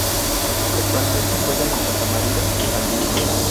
Actualmente juega en Santamarina de Tandil.